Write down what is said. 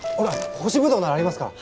干しブドウならありますから。